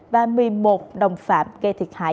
và một mươi một đồng phạm gây thiệt hại